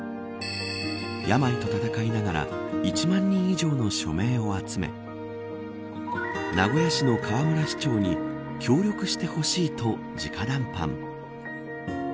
病と闘いながら１万人以上の署名を集め名古屋市の河村市長に協力してほしいと直談判。